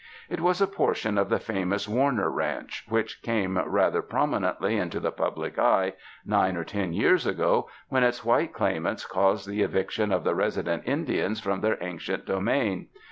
It was a portion of the famous Warner Ranch, which came rather prominently into the public eye nine or ten years ago, when its white claimants caused the eviction of the resident Indians from this their ancient domain.